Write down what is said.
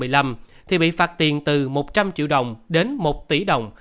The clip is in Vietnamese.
năm hai nghìn một mươi năm thì bị phạt tiền từ một trăm linh triệu đồng đến một tỷ đồng